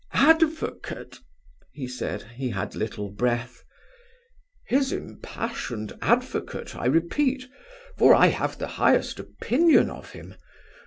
"Advocate?" he said. He had little breath. "His impassioned advocate, I repeat; for I have the highest opinion of him.